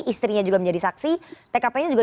istrinya juga menjadi saksi tkp nya juga